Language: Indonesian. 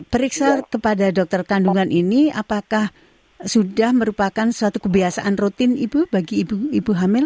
periksa kepada dokter kandungan ini apakah sudah merupakan suatu kebiasaan rutin ibu bagi ibu hamil